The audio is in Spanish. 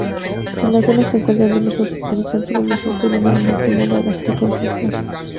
En la zona se encuentran diversos el centro comercial Terminal Multimodal Azteca Bicentenario.